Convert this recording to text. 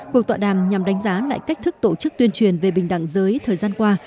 cuộc tọa đàm nhằm đánh giá lại cách thức tổ chức tuyên truyền về bình đẳng giới thời gian qua